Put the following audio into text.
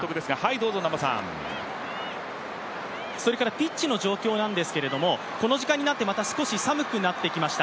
ピッチの状況なんですけれどもこの時間になって少し寒くなってきました。